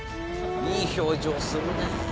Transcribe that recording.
「いい表情するねえ」